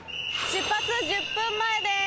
出発１０分前です。